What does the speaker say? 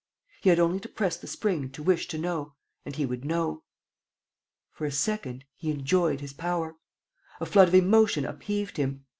He had only to press the spring to wish to know and he would know. For a second, he enjoyed his power. A flood of emotion upheaved him.